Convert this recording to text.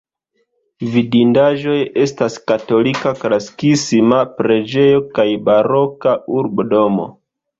Vidindaĵoj estas katolika klasikisma preĝejo kaj baroka urbodomo.